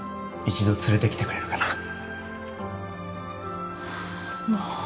一度連れてきてくれるかなはあ